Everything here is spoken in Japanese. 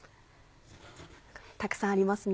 たくさんありますね。